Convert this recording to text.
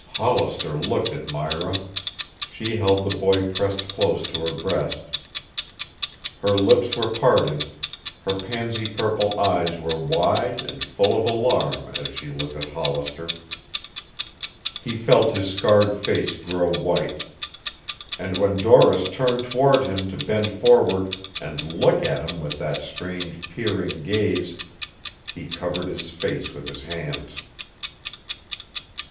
Hollister looked at Myra; she held the boy pressed close to her breast. Her lips were parted, her pansy purple eyes were wide and full of alarm as she looked at Hollister. He felt his scarred face grow white. And when Doris turned toward him to bend forward and look at him with that strange, peering gaze, he covered his face with his hands.